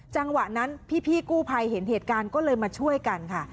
จังหวะนั้นพี่กู้ภัยเห็นเหตุการณ์ก็เลยมาช่วยกันค่ะ